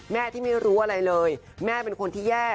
แม่ที่ไม่รู้อะไรเลยแม่เป็นคนที่แย่